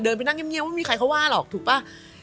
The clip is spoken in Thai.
เดินไปนั่งเงียบเงียบว่าไม่มีใครเขาว่าหรอกถูกปะ